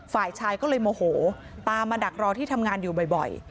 ฝ่ายชายก็เลยโมโหตามมาดักรอที่ทำงานอยู่บ่อย